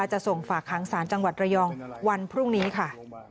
จะส่งฝากค้างศาลจังหวัดระยองวันพรุ่งนี้ค่ะ